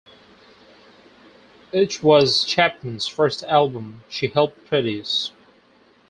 It was Chapman's first album she helped produce.